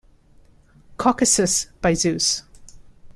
Caucasus by Zeus.